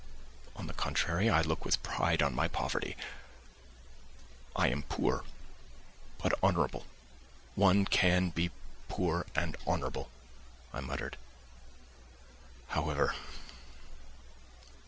On the contrary, I look with pride on my poverty. I am poor but honourable.... One can be poor and honourable," I muttered. "However